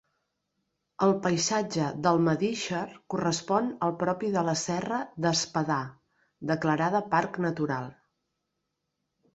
El paisatge d'Almedíxer correspon al propi de la Serra d'Espadà, declarada parc natural.